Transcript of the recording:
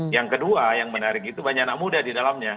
yang kedua yang menarik itu banyak anak muda di dalamnya